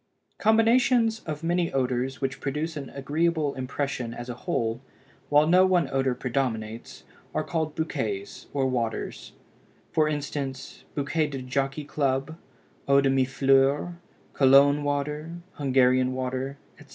Combinations of many odors which produce an agreeable impression as a whole, while no one odor predominates, are called bouquets or waters; for instance, Bouquet de Jockey Club, Eau de Mille Fleurs, Cologne Water, Hungarian Water, etc.